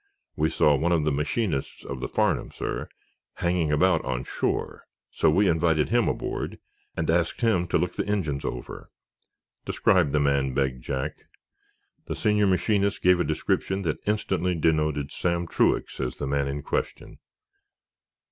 We saw one of the machinists of the 'Farnum,' sir, hanging about on shore. So we invited him aboard and asked him to look the engines over." "Describe the man," begged Jack. The senior machinist gave a description that instantly denoted Sam Truax as the man in question.